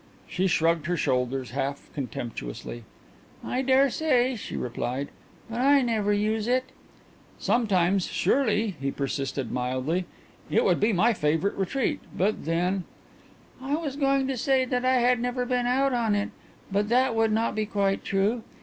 She shrugged her shoulders half contemptuously. "I dare say," she replied, "but I never use it." "Sometimes, surely," he persisted mildly. "It would be my favourite retreat. But then " "I was going to say that I had never even been out on it, but that would not be quite true.